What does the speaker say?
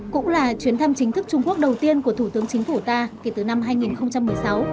cũng là chuyến thăm chính thức trung quốc đầu tiên của thủ tướng chính phủ ta kể từ năm hai nghìn một mươi sáu